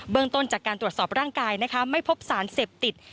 เบื้องต้นจากการตรวจสอบร่างกายไม่พบสารเสพติด